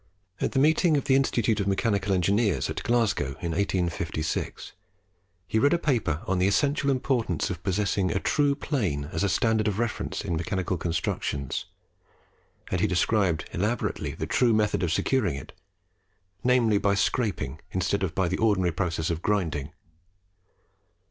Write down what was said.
At the meeting of the Institute of Mechanical Engineers at Glasgow in 1856 he read a paper on the essential importance of possessing a true plane as a standard of reference in mechanical constructions, and he described elaborately the true method of securing it, namely, by scraping, instead of by the ordinary process of grinding.